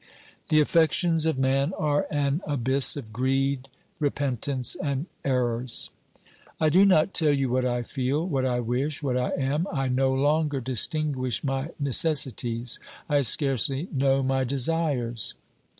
The affec tions of man are an abyss of greed, repentance and errors. I do not tell you what I feel, what I wish, what I am ; I no longer distinguish my necessities, I scarcely know my desires.